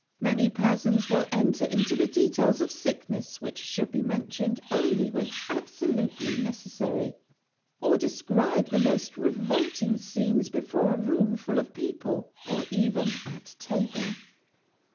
Many persons will enter into the details of sicknesses which should be mentioned only when absolutely necessary, or describe the most revolting scenes before a room full of people, or even at table.